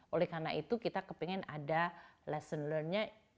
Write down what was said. oleh karena itu kita ingin ada lesson learned nya